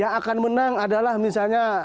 yang akan menang adalah misalnya